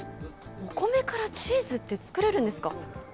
お米からチーズってつくれるんですか？